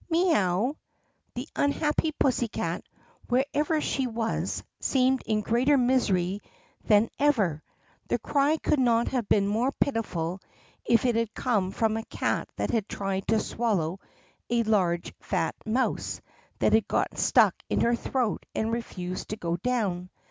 "MEE OW!" The unhappy pussycat, wherever she was, seemed in greater misery than ever. The cry could not have been more pitiful if it had come from a cat that had tried to swallow a large, fat mouse that had got stuck in her throat and refused to go down.